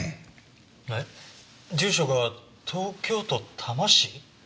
えっ住所が東京都多摩市？